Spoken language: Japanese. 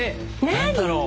何だろう？